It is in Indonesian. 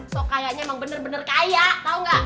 sok kayanya emang bener bener kaya tau gak